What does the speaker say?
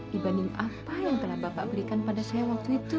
dibanding apa yang telah bapak berikan pada saya waktu itu